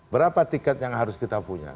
berapa tiket yang harus kita punya